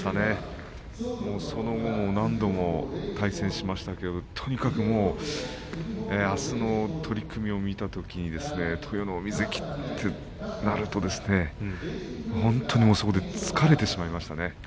その後も何度も対戦しましたけれどもとにかくあすの取組を見たときに豊ノ海関となると本当にそこで疲れてしまいましたね。